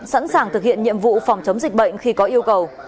sẵn sàng thực hiện nhiệm vụ phòng chống dịch bệnh khi có yêu cầu